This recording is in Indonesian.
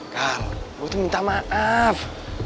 kak gue tuh minta maaf